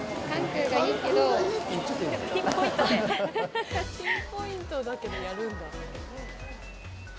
ピンポイントだけどやるんだ。